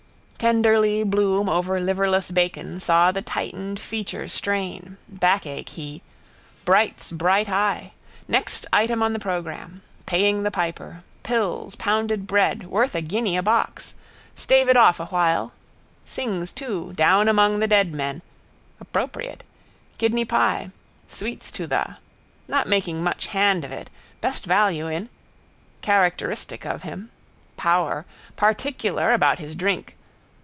Tenderly Bloom over liverless bacon saw the tightened features strain. Backache he. Bright's bright eye. Next item on the programme. Paying the piper. Pills, pounded bread, worth a guinea a box. Stave it off awhile. Sings too: Down among the dead men. Appropriate. Kidney pie. Sweets to the. Not making much hand of it. Best value in. Characteristic of him. Power. Particular about his drink.